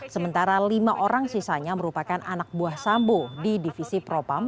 sementara lima orang sisanya merupakan anak buah sambo di divisi propam